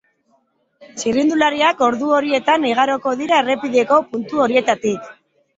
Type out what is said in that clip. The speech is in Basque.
Txirrindulariak ordu horietan igaroko dira errepideko puntu horietatik.